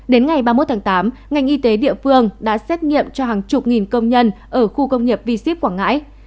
đến ngày ba mươi một tháng tám ngành y tế địa phương đã xét nghiệm cho hàng chục nghìn công nhân ở khu công nghiệp v ship quảng ngãi